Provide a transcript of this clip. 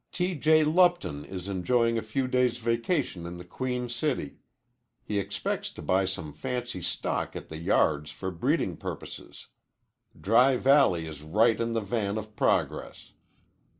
T. J. Lupton is enjoying a few days vacation in the Queen City. He expects to buy some fancy stock at the yards for breeding purposes. Dry Valley is right in the van of progress.